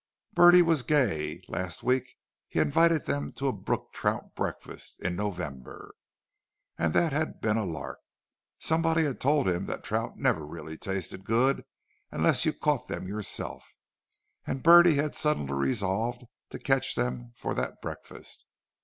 Bertie was gay; last week he had invited them to a brook trout breakfast—in November—and that had been a lark! Somebody had told him that trout never really tasted good unless you caught them yourself, and Bertie had suddenly resolved to catch them for that breakfast.